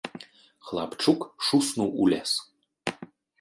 Хлапчук шуснуў у лес.